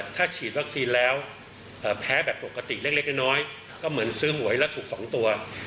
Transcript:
ถ้าฉีดวัคซีนแล้วแพ้แบบปกติเล็กน้อยก็เหมือนซื้อหวยแล้วถูก๒ตัว